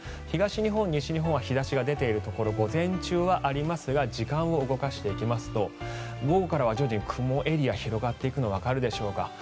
東日本、西日本は日差しが出ているところが午前中はありますが時間を動かしていきますと午後からは徐々に雲エリアが広がっていくのがわかるでしょうか。